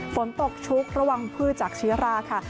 ฝนตกชุกระหว่างพืชจักรชิราค่ะ